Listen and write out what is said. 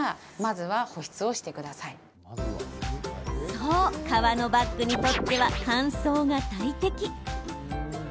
そう、革のバッグにとっては乾燥が大敵。